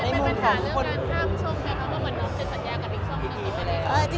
หรือว่ามันน้องจะสัญญากับผิดช่องทางนี้ไปแล้ว